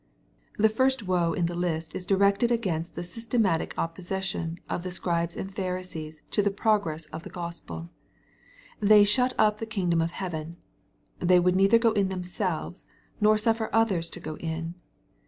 The first "woe" in the list is directed against the systematic opposition of the Scribes and Pharisees to the progress of the Gospel. They " sh ut up t he kingdom of heaven." They would neither go in themselves, nor suffer others to go in.